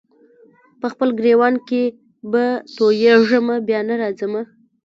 په خپل ګرېوان کي به تویېږمه بیا نه راځمه